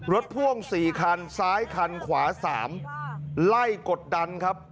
พ่วง๔คันซ้ายคันขวา๓ไล่กดดันครับ